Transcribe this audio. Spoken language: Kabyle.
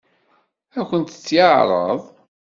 Ad akent-t-yeɛṛeḍ?